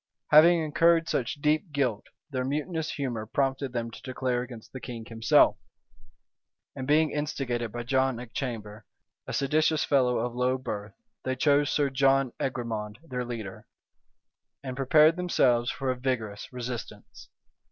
Having incurred such deep guilt, their mutinous humor prompted them to declare against the king himself; and being instigated by John Achamber, a seditious fellow of low birth, they chose Sir John Egremond their leader, and prepared themselves for a vigorous resistance.